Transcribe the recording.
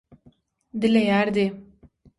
dileýärdi.